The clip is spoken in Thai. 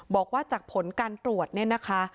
บอกว่าจากผลการตรวจเนี่ยนะคะ